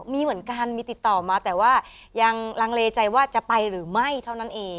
มีเหมือนกันมีติดต่อมาแต่ว่ายังลังเลใจว่าจะไปหรือไม่เท่านั้นเอง